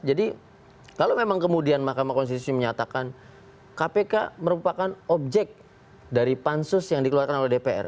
jadi kalau memang kemudian makam konstitusi menyatakan kpk merupakan objek dari pansus yang dikeluarkan oleh dpr